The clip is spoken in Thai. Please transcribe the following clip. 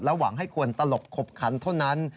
หวังให้คนตลบขบขันเท่านั้น